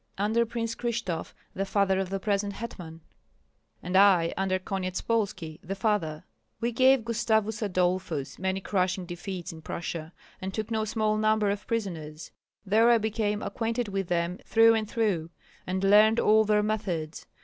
"Under Prince Krishtof, the father of the present hetman." "And I under Konyetspolski, the father. We gave Gustavus Adolphus many crushing defeats in Prussia, and took no small number of prisoners; there I became acquainted with them through and through, and learned all their methods.